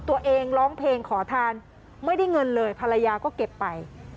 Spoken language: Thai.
ร้องเพลงขอทานไม่ได้เงินเลยภรรยาก็เก็บไป